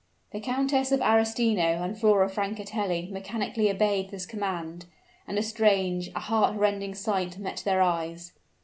The Countess of Arestino and Flora Francatelli mechanically obeyed this command; and a strange a heart rending sight met their eyes.